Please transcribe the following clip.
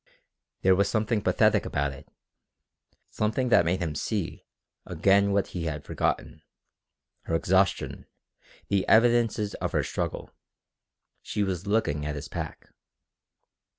There was something pathetic about it, something that made him see again what he had forgotten her exhaustion, the evidences of her struggle. She was looking at his pack.